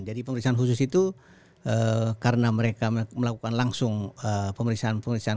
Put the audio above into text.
jadi pemeriksaan khusus itu karena mereka melakukan langsung pemeriksaan pemeriksaan